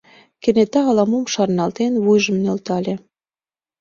Кенета ала-мом шарналтен, вуйжым нӧлтале.